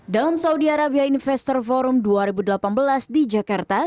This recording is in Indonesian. dalam saudi arabia investor forum dua ribu delapan belas di jakarta